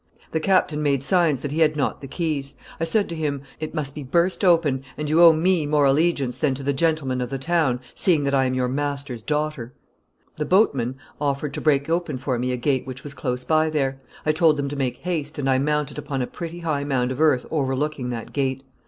The captain made signs that he had not the keys. I said to him, 'It must be burst open, and you owe me more allegiance than to the gentlemen of the town, seeing that I am your master's daughter.' The boatmen offered to break open for me a gate which was close by there. I told them to make haste, and I mounted upon a pretty high mound of earth overlooking that gate.